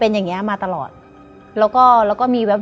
และยินดีต้อนรับทุกท่านเข้าสู่เดือนพฤษภาคมครับ